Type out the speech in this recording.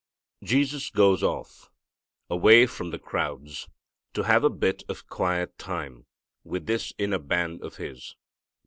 Jesus goes off, away from the crowds, to have a bit of quiet time with this inner band of His.